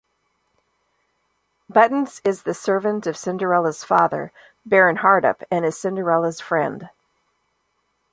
Buttons is the servant of Cinderella's father, Baron Hardup, and is Cinderella's friend.